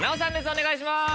お願いします。